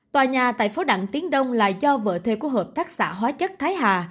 tòa nhà tại phố đặng tiến đông là do vợ thê của hợp tác xã hóa chất thái hà